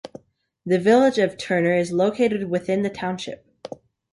The village of Turner is located within the township.